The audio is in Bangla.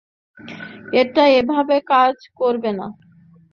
এটা এভাবে কাজ করে না।